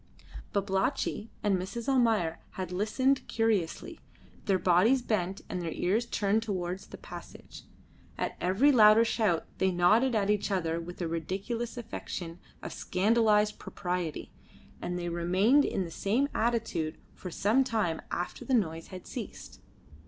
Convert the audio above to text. Babalatchi and Mrs. Almayer had listened curiously, their bodies bent and their ears turned towards the passage. At every louder shout they nodded at each other with a ridiculous affectation of scandalised propriety, and they remained in the same attitude for some time after the noise had ceased.